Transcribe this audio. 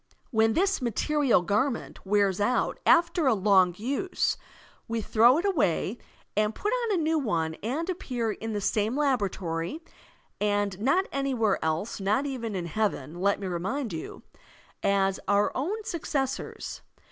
When this material garment wears out after a long use, we throw it away and put on a new one and appear in the same laboratory (and not anywhere else, not even in Heaven, let me remind you) as our own successors.